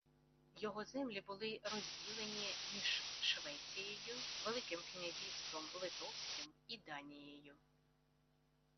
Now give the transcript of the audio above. Його землі були розділені між Швецією, великим князівством Литовським і Данією